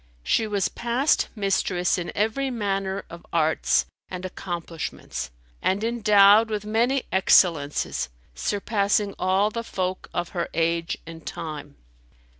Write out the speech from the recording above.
She was past mistress in every manner of arts and accomplishments and endowed with many excellences, surpassing all the folk of her age and time.